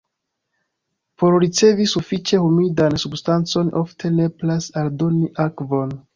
Por ricevi sufiĉe humidan substancon ofte nepras aldoni akvon.